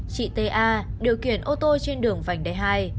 chị t a điều kiển ô tô trên đường vành đai hai